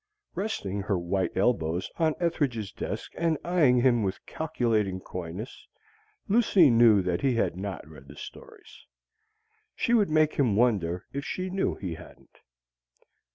Resting her white elbows on Ethridge's desk and eyeing him with calculating coyness, Lucy knew that he had not read the stories. She would make him wonder if she knew he hadn't.